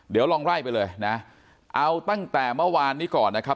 เดี๋ยวลองไล่ไปเลยนะเอาตั้งแต่เมื่อวานนี้ก่อนนะครับ